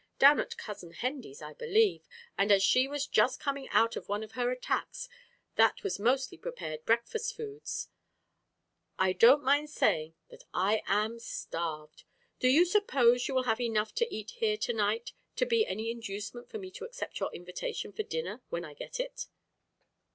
Down at Cousin Hendy's, I believe, and as she was just coming out of one of her attacks, that was mostly prepared breakfast foods. I don't mind saying that I am starved. Do you suppose you will have enough to eat here to night to be any inducement for me to accept your invitation for dinner when I get it?"